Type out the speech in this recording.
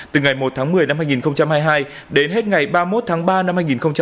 từ ngày một tháng một mươi năm hai nghìn hai mươi hai đến hết ngày ba mươi một tháng ba năm hai nghìn hai mươi